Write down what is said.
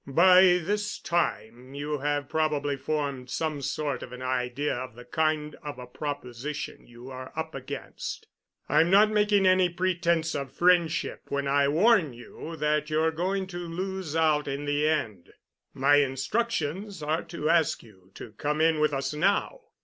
By this time you have probably formed some sort of an idea of the kind of a proposition you're up against. I'm not making any pretence of friendship when I warn you that you're going to lose out in the end. My instructions are to ask you to come in with us now.